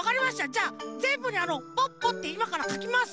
じゃあぜんぶにあの「ポッポ」っていまからかきますね。